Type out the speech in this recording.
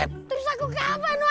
terus aku kapan pak